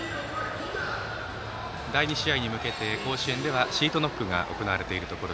第２試合に向けて甲子園ではシートノックが行われています。